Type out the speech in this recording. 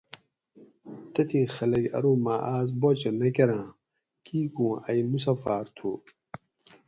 تتھی خلق ارو مہ آۤس باچہ نہ کۤراں کیکوں ائی مسافر تھو